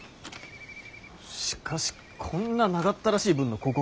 しかしこんな長ったらしい文の広告